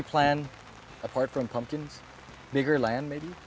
คุณต้องเป็นผู้งาน